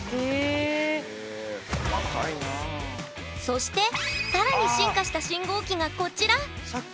そして更に進化した信号機がこちら。